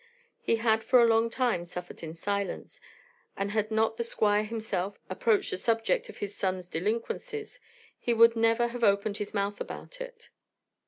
He had for a long time suffered in silence, and had not the Squire himself approached the subject of his son's delinquencies, he would have never opened his mouth about it.